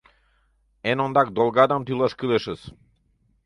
Эн ондак долгадам тӱлаш кӱлешыс!..